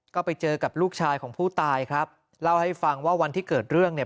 ก็ไปเจอกับลูกชายของผู้ตายครับเล่าให้ฟังว่าวันที่เกิดเรื่องเนี่ย